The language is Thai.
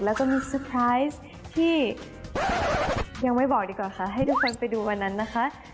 แล้วก็มีเซอร์ไพรส์ที่ยังไม่บอกดีกว่าค่ะให้ทุกคนไปดูวันนั้นนะคะ